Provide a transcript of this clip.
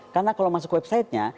karena kalau masuk ke websitenya